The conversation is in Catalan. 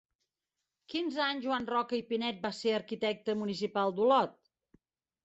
Quins anys Joan Roca i Pinet va ser arquitecte municipal d'Olot?